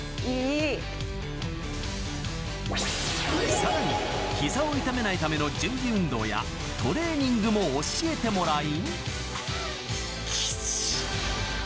さらに膝を痛めないための準備運動やトレーニングも教えてもらい。